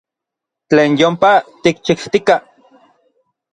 Tlen yompa n tikchijtikaj.